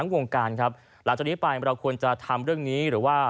วงการครับหลังจากนี้ไปเราควรจะทำเรื่องนี้หรือว่า